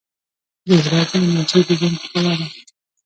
• د ورځې انرژي د ژوند ښکلا ده.